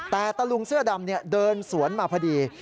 แต่ตะลุงเสื้อดำเดินสวนมาพอดี